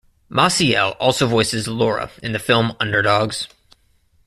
Maciel also voices Laura in the film "Underdogs".